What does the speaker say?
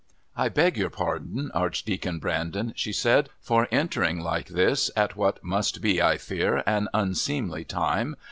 "I beg your pardon, Archdeacon Brandon," she said, "for entering like this at what must be, I fear, an unseemly time.